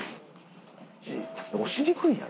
押しにくいやろ。